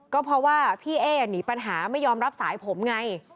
ก็เพราะว่าพี่เอ๊หนีปัญหาไม่ยอมรับสายผมไง